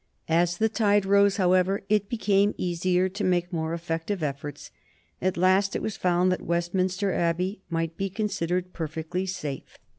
As the tide rose, however, it became easy to make more effective efforts. At last it was found that Westminster Abbey might be considered perfectly safe.